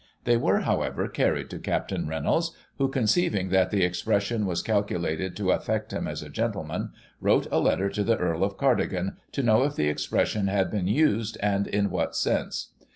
They were, however, carried to Capt. Reynolds, who, conceiving that the expression was calculated to affect him as a gentleman, wrote a letter to the Earl of Cardigan, to know if the expression had been used, and in what sense.